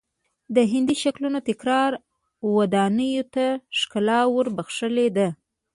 د هندسي شکلونو تکرار ودانیو ته ښکلا ور بخښلې ده.